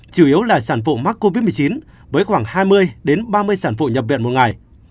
chủ yếu là sản phụ mắc covid một mươi chín với khoảng hai mươi ba mươi sản phụ nhập viện một ngày